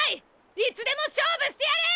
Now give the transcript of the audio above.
いつでも勝負してやる！！